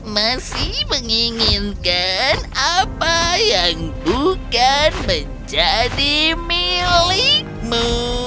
masih menginginkan apa yang bukan menjadi milikmu